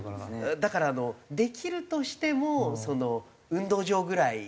だからできるとしても運動場ぐらいなんですよね。